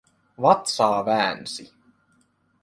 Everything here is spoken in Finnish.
Vatsaa väänsi.